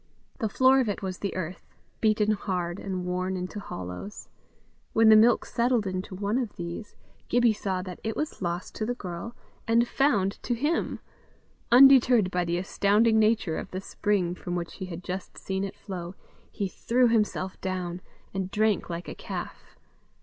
The floor of it was the earth, beaten hard, and worn into hollows. When the milk settled in one of these, Gibbie saw that it was lost to the girl, and found to him: undeterred by the astounding nature of the spring from which he had just seen it flow, he threw himself down, and drank like a calf.